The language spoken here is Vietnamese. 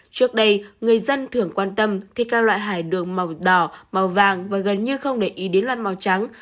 trước đây người dân thường quan tâm thì các loại hải đường màu đỏ màu vàng và gần như không để ý đến loan màu trắng